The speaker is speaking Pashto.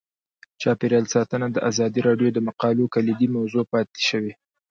چاپیریال ساتنه د ازادي راډیو د مقالو کلیدي موضوع پاتې شوی.